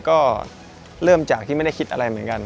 ก็เริ่มจากที่ไม่ได้คิดอะไรเหมือนกัน